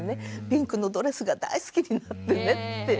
ピンクのドレスが大好きになってね